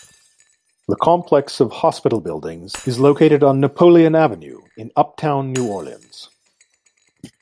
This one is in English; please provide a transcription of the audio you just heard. The complex of hospital buildings is located on Napoleon Avenue in Uptown New Orleans.